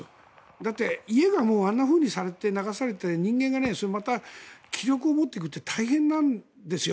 だって、家があんなふうにされて流されて人間がまた気力を持つって大変なんですよ。